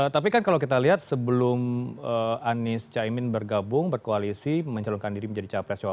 tapi kan kalau kita lihat sebelum anies caimin bergabung berkoalisi mencalonkan diri menjadi capres cawapres